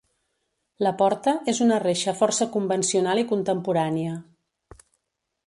La porta és una reixa força convencional i contemporània.